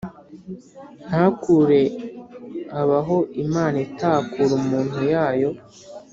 ntakure habaho imana itakura umuntu yayo